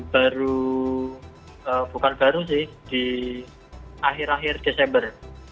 baru bukan baru sih di akhir akhir desember